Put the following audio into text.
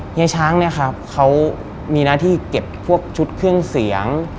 เฮียช้างเนี่ยครับเขามีหน้าที่เก็บพวกชุดเครื่องเสียง